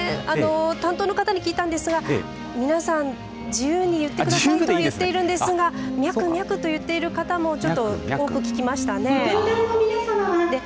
担当の方に聞いたんですが皆さん自由に言ってくださいと言っているんですがミャクミャクと言っている方も多く聞きましたね。